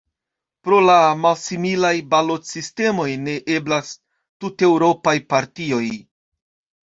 Pro la malsimilaj balotsistemoj, ne eblas tuteŭropaj partioj.